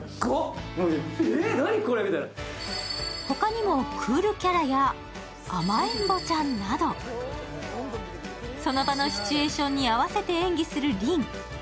他にも、クールキャラや甘えんぼちゃんなど、その場のシチュエーションに合わせて演技する凛。